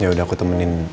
ya udah aku temenin